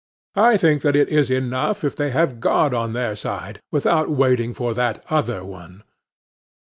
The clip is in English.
I think that it is enough if they have God on their side, without waiting for that other one.